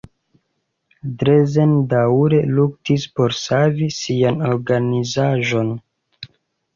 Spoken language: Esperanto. Drezen daŭre luktis por savi sian organizaĵon.